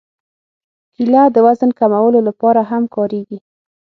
کېله د وزن کمولو لپاره هم کارېږي.